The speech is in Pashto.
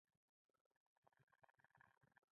په نظامي برخه کې د سرکونو اهمیت ډېر زیات دی